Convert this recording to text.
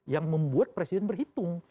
yang membuat presiden berhitung